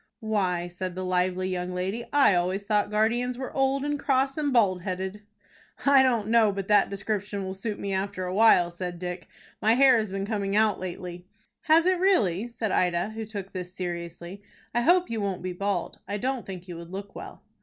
"Why," said the lively young lady, "I always thought guardians were old, and cross, and bald headed." "I don't know but that description will suit me after a while," said Dick. "My hair has been coming out lately." "Has it, really?" said Ida, who took this seriously. "I hope you won't be bald. I don't think you would look well."